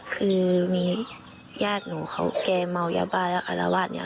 คือมียาดหนูเขาแก่เมายาบาร์และอารวาสตามสวัสดิ์เห็นเลย